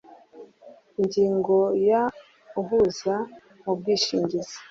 Ingingo ya Ubuhuza mu bwishingizi